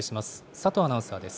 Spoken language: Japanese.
佐藤アナウンサーです。